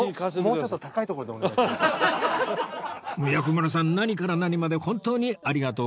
薬丸さん何から何まで本当にありがとうございます